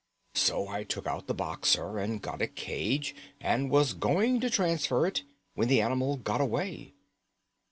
So I took out the box, sir, and got a cage, and was going to transfer it, when the animal got away."